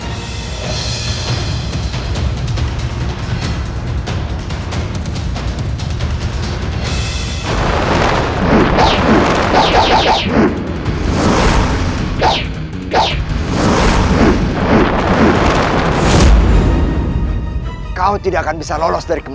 aku tidak bisa tinggal diam